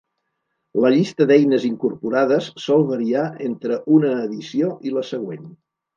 La llista d'eines incorporades sol variar entre una edició i la següent.